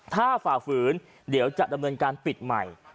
ถ้าฝ่าฝืนเดี๋ยวจะดำเนินการปิดใหม่